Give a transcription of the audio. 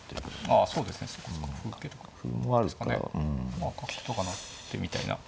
まあ角とか成ってみたいな。